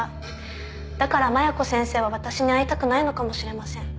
だから麻弥子先生は私に会いたくないのかもしれません。